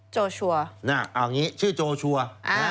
โจชัวร์นะเอางี้ชื่อโจชัวร์